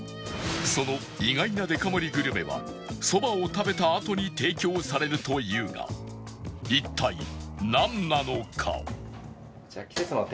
その意外なデカ盛りグルメはそばを食べたあとに提供されるというが一体なんなのか？